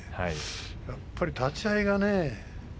やっぱり立ち合いがね